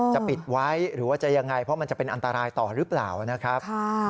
จะปิดไว้หรือว่าจะยังไงเพราะมันจะเป็นอันตรายต่อหรือเปล่านะครับ